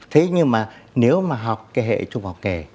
thế nhưng mà nếu mà học cái hệ trung học nghề